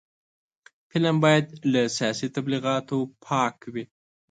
فلم باید له سیاسي تبلیغاتو پاک وي